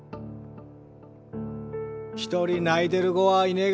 一人泣いてる子はいねが。